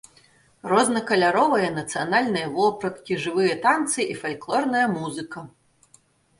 Рознакаляровыя нацыянальныя вопраткі, жывыя танцы і фальклорная музыка.